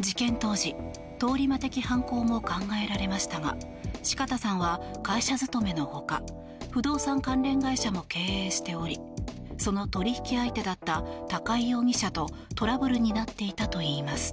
事件当時、通り魔的犯行も考えられましたが四方さんは会社勤めのほか不動産関連会社も経営しておりその取引相手だった高井容疑者とトラブルになっていたといいます。